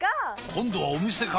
今度はお店か！